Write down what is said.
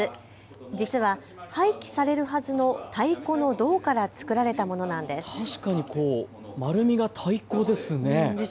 実は廃棄されるはずの太鼓の胴から作られたものなんです。